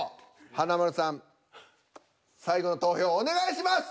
華丸さん最後の投票お願いします！